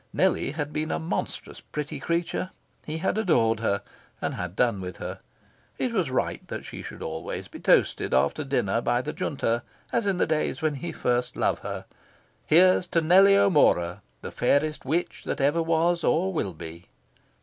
Nellie had been a monstrous pretty creature. He had adored her, and had done with her. It was right that she should always be toasted after dinner by the Junta, as in the days when first he loved her "Here's to Nellie O'Mora, the fairest witch that ever was or will be!"